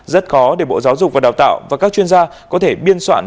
rất khó để bộ giáo dục và đào tạo và các chuyên gia có thể biên soạn